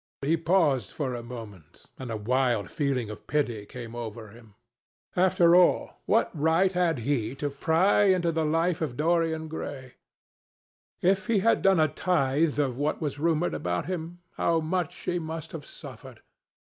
He paused for a moment, and a wild feeling of pity came over him. After all, what right had he to pry into the life of Dorian Gray? If he had done a tithe of what was rumoured about him, how much he must have suffered!